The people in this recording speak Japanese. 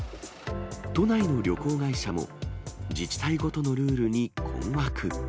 都内の旅行会社も、自治体ごとのルールに困惑。